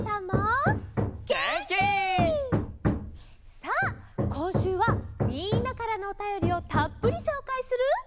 さあこんしゅうはみんなからのおたよりをたっぷりしょうかいする。